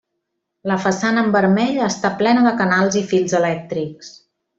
La façana en vermell, està plena de canals i fils elèctrics.